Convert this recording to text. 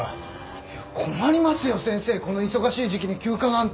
困りますよ先生この忙しい時期に休暇なんて。